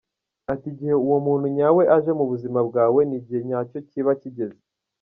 Ati"Igihe uwo muntu nyawe aje mu buzima bwawe n’igihe nyacyo kiba kigeze.